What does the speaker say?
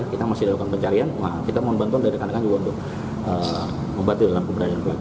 kita masih dalam perjalanan pencarian kita mau bantu dari dekat dekat juga untuk membantu dalam pemberian pelaku